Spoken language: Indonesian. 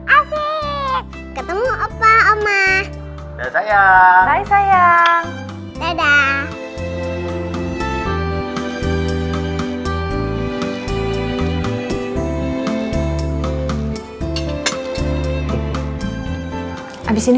asik ketemu opa sama oma sebentar lagi ke rumah renna ya